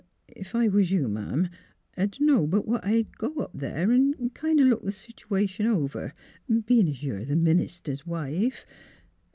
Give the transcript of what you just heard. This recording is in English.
'' Ef I was you, Ma'am, I dunno but what I'd go up there 'n' kind o' look th' sitoation over — bein' 's you're the minister's wife.